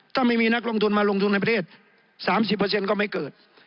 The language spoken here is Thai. ถ้าไม่มีนักลงทุนมาลงทุนในประเทศ๓๐ก็ไม่เกิด